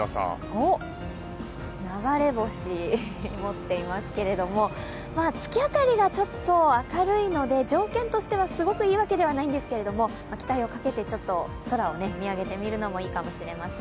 流れ星を持っていますけれども、月明かりが明るいので条件としてはすごくいいわけじゃないんですが期待をかけて空を見上げてみるのもいいかもしれません。